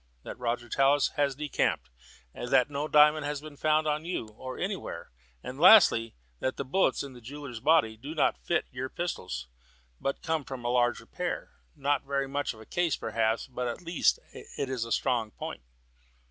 That Roger Tallis has decamped, that no diamond has been found on you (or anywhere), and lastly that the bullets in the jeweller's body do not fit your pistols, but came from a larger pair. Not very much of a case, perhaps, but this last is a strong point."